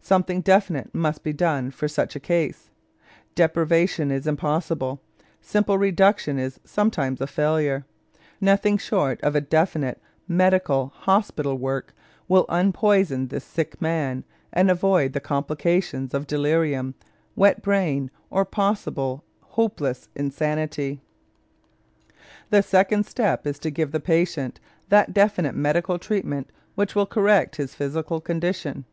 Something definite must be done for such a case; deprivation is impossible; simple reduction is sometimes a failure; nothing short of definite medical, hospital work will unpoison this sick man and avoid the complications of delirium, "wet brain," or possible hopeless insanity. The second step is to give the patient that definite medical treatment which will correct his physical condition.